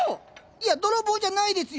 いや泥棒じゃないですよ！